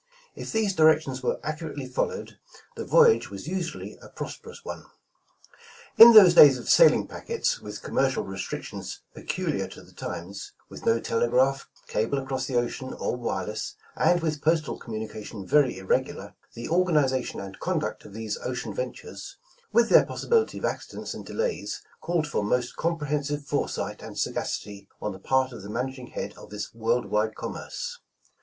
If these directions were accurately followed, the voyage was usually a prosperous one. In those days of sailing packets, with commercial re strictions peculiar to the times, with no telegraph, cable across the ocean or wireless, and with postal com munication very irregular, the organization and eon duet of these ocean ventures, with their possibility of accidents and delays, called for most comprehensive foresight and sagacity on the part of the managing head of this world wide commerce.